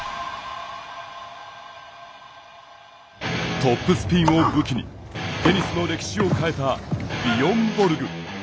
トップスピンを武器にテニスの歴史を変えたビヨン・ボルグ。